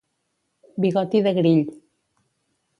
Bigoti de grill.